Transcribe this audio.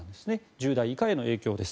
１０代以下への影響です。